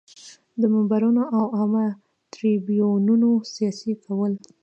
د منبرونو او عامه تریبیونونو سیاسي کول.